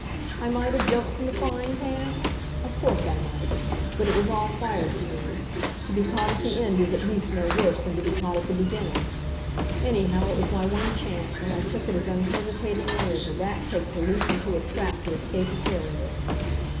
I might have jumped from the frying pan? Of course, I might. But it was all fire to me. To be caught at the end is at least no worse than to be caught at the beginning. Anyhow, it was my one chance, and I took it as unhesitatingly as a rat takes a leap into a trap to escape a terrier.